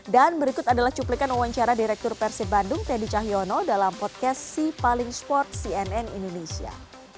dan berikut adalah cuplikan wawancara direktur persib bandung teddy cahyono dalam podcast si paling sport cnn indonesia